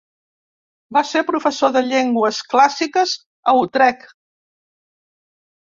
Va ser professor de llengües clàssiques a Utrecht.